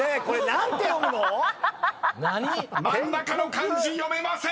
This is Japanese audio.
これ何て読むの？